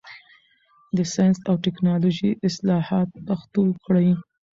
د ساینس او ټکنالوژۍ اصطلاحات پښتو کړئ.